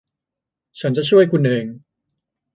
ฉันจะช่วยคุณเอง